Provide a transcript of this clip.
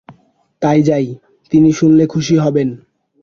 তাই যাই, তিনি শুনলে খুশি হবেন।